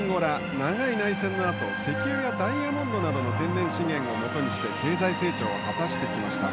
長い内戦のあと石油やダイヤモンドなどの天然資源をもとにして経済成長を果たしてきました。